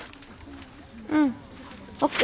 うんＯＫ。